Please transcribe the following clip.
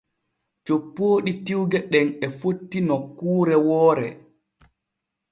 Coppooɗi tiwge ɗen e fotti nokkuure woore.